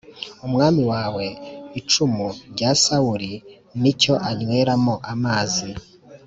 Umwami wawe icumu rya sawuli n icyo anyweramo amazi